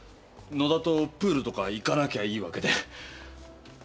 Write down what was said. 野田とプールとか行かなきゃいいわけで。